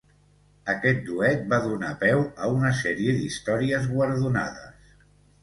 Aquest duet va donar peu a una sèrie d'històries guardonades.